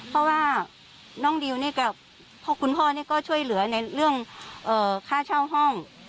เพราะว่าน้องดิวนี่กับคุณพ่อนี่ก็ช่วยเหลือในเรื่องค่าเช่าห้อง